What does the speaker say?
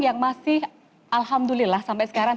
yang masih alhamdulillah sampai sekarang